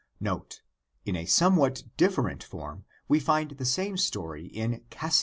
^ 1 In a somewhat different form we find the same story in Cassian's Collat.